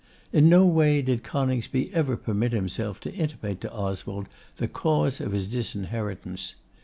In no way did Coningsby ever permit himself to intimate to Oswald the cause of his disinheritance.